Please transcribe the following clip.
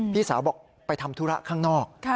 พี่สาวบอกไปทำธุระข้างนอก